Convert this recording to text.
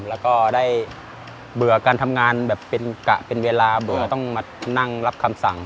แล้วก็ได้เบื่อการทำงานแบบเป็นกะเป็นเวลาเบื่อต้องมานั่งรับคำสั่ง